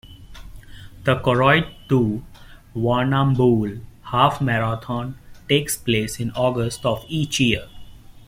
The Koroit to Warrnambool Half Marathon takes place in August of each year.